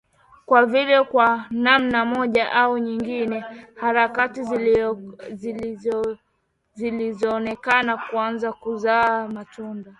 Kwa vile kwa namna moja au nyingine harakati zilionekana kuanza kuzaa matunda